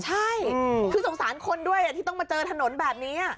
ใช่คือสงสารคนด้วยที่ต้องมาเจอถนนแบบนี้